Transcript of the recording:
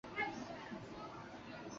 奥地利实施九年义务教育。